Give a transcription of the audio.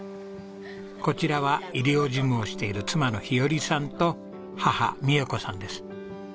こちらは医療事務をしている妻の日和さんと母みよ子さんです。